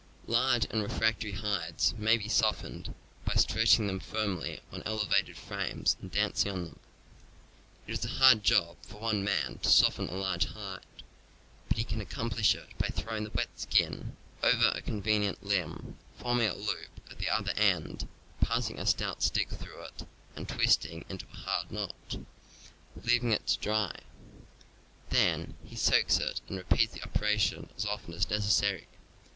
Large and refractory hides may be softened by stretching them firmly on elevated frames and dancing on them. It is a hard job for one man to soften a large hide, but he can accomplish it by throwing the wet skin over a convenient limb, forming a loop at the other end, passing a stout stick through it, and twisting into a hard knot — leaving it to dry; then he re soaks it and repeats the operation as often as necessary.